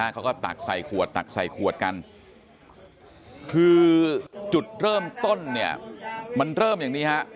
เขาก็ตักใส่ขวดกันคือจุดเริ่มต้นมันเริ่มอย่างนี้